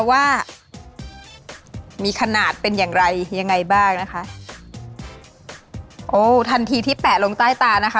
ว่ามีขนาดเป็นอย่างไรยังไงบ้างนะคะโอ้ทันทีที่แปะลงใต้ตานะคะ